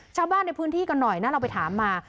ชาวบ้านในพื้นที่กันหน่อยนะเราไปถามมา